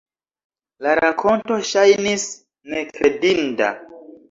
La rakonto ŝajnis nekredinda.